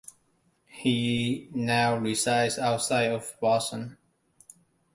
He now resides outside of Boston.